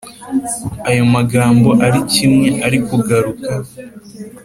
ayo magambo ari kimwe arikugaruka